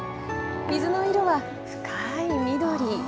水の色は深い緑。